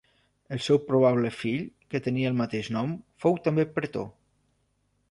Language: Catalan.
El seu probable fill, que tenia el mateix nom, fou també pretor.